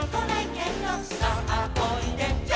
「さあおいで」